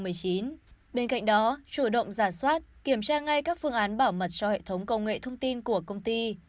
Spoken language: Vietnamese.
bên cạnh đó chủ động giả soát kiểm tra ngay các phương án bảo mật cho hệ thống công nghệ thông tin của công ty